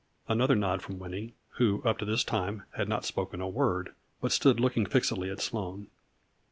Another nod from Winnie, who, up to this time, had not spoken a word, but stood looking fixedly at Sloane.